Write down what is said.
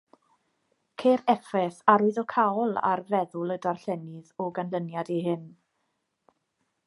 Ceir effaith arwyddocaol ar feddwl y darllenydd o ganlyniad i hyn